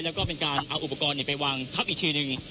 แล้วก็เป็นการเอาอุปกรณ์ไปวางทับอีกทีหนึ่ง